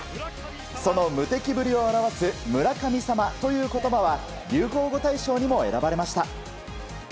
その無敵ぶりを表す村神様という言葉は流行語大賞にも選ばれました。